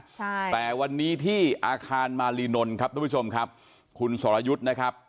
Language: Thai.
ใช่แต่วันนี้ที่อาคารมารีนนท์ครับทุกผู้ชมครับคุณสรยุทธ์นะครับ